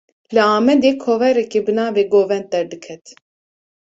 Li Amedê, kovareke bi navê "Govend" derdiket